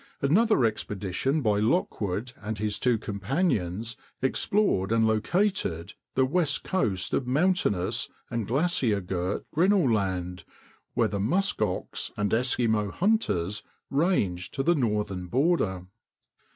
Another expedition by Lockwood and his two companions explored and located the west coast of mountainous and glacier girt Grinnell Land, where the musk ox and Eskimo hunters range to the northern border.